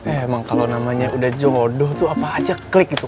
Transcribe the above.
emang kalau namanya udah jodoh tuh apa aja klik gitu